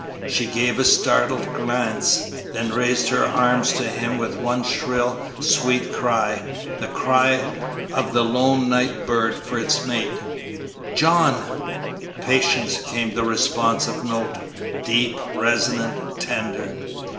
She gave a startled glance, then raised her arms to him with one shrill, sweet cry, the cry of the lone night bird for its mate, "John!" "Patience!" came the responsive note, deep, resonant, tender.